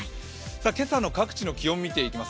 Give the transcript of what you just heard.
今朝の各地の気温見ていきます。